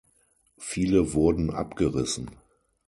Viele wurden abgerissen.